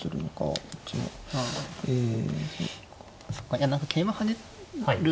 いや何か桂馬跳ねる